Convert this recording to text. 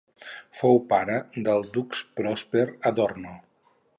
Fou pare del dux Pròsper Adorno.